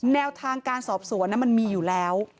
แนวทางการสอบสวนมันมีอยู่แล้ว